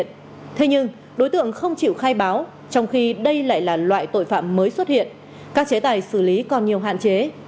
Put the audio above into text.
sau khi đây lại là loại tội phạm mới xuất hiện các chế tài xử lý còn nhiều hạn chế